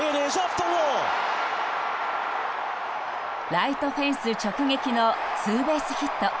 ライトフェンス直撃のツーベースヒット。